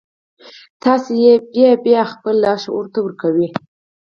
تاسې يې بيا بيا خپل لاشعور ته ورکوئ.